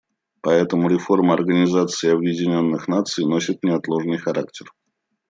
Поэтому реформа Организации Объединенных Наций носит неотложный характер.